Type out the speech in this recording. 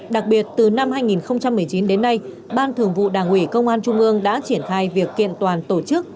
đặc biệt từ năm hai nghìn một mươi chín đến nay ban thường vụ đảng ủy công an trung ương đã triển khai việc kiện toàn tổ chức